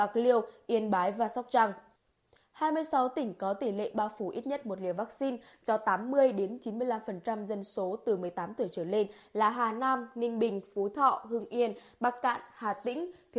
hai mươi sáu tỉnh có tỷ lệ bao phủ ít nhất một liều vắc xin cho tám mươi chín mươi năm dân số từ một mươi tám tuổi trở lên là hà nam ninh bình phú thọ hương yên bắc cạn hà tĩnh